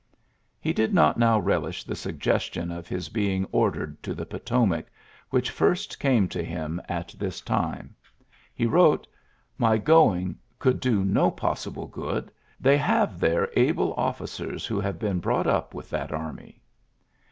He did not now relish the suggestion of his being ordered to the FotomaC; which first came to him at this time. He wrote: "My going could do no possible good. Th^ have there able oflicers who have been brought up with that army.'